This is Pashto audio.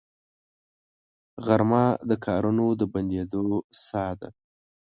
غرمه د کارونو د بندېدو ساه ده